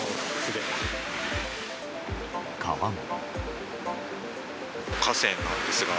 川も。